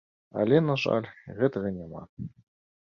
Але, на жаль, гэтага няма.